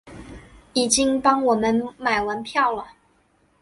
已经帮我们买完票了